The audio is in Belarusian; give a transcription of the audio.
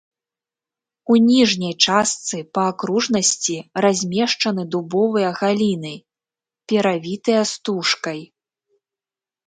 У ніжняй частцы па акружнасці размешчаны дубовыя галіны, перавітыя стужкай.